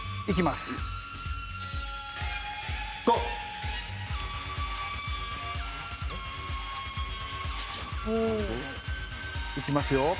いきますよ。